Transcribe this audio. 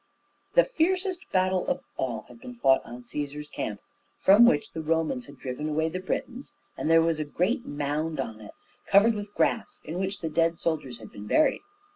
The fiercest battle of all had been fought on Cæsar's Camp, from which the Romans had driven away the Britons, and there was a great mound on it, covered with grass, in which the dead soldiers had been buried.